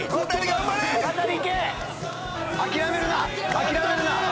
諦めるな！